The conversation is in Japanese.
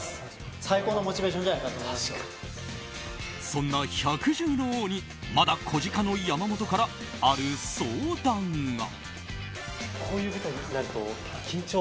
そんな百獣の王にまだ小鹿の山本からある相談が。